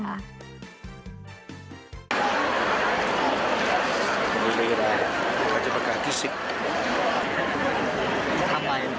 อาจารย์ประกาศฟิสิกษ์